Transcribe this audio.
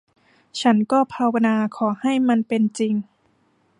ฉันก็ภาวนาขอให้มันเป็นจริง